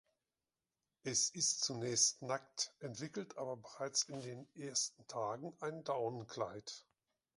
Es ist zunächst nackt, entwickelt aber bereits in den ersten Tagen ein Daunenkleid.